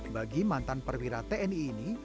bagi mantan perwira tni ini